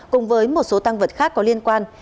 cùng với một số tăng vật khác có liên quan